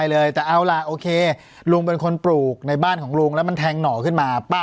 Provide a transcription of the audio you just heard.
ร่วมร่วมร่วมร่วมร่วมร่วมร่วมร่วมร่วมร่วมร่วมร่วมร่วมร่วม